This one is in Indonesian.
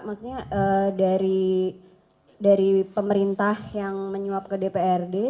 maksudnya dari pemerintah yang menyuap ke dprd